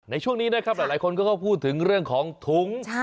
ในช่วงนี้นะครับหลายคนก็พูดถึงเรื่องของถุง